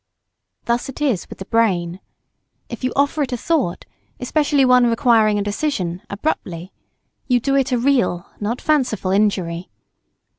Thus it is with the brain. If you offer it a thought, especially one requiring a decision, abruptly, you do it a real not fanciful injury.